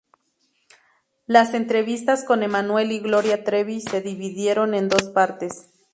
Las entrevistas con Emmanuel y Gloria Trevi se dividieron en dos partes.